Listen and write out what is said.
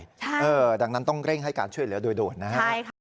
ใช่ดังนั้นต้องเร่งให้การช่วยเหลือโดยโดดนะฮะ